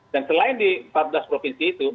dan selain di empat belas provinsi itu